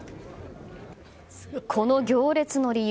この行列の理由